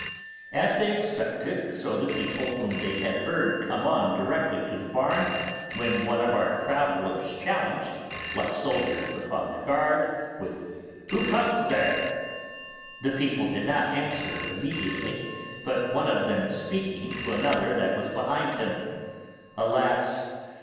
As they expected, so the people whom they had heard came on directly to the barn, when one of our travellers challenged, like soldiers upon the guard, with 'Who comes there?' The people did not answer immediately, but one of them speaking to another that was behind him, 'Alas!